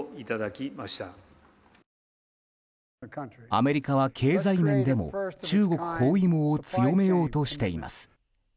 アメリカは経済面でも中国包囲網を強めようとしています。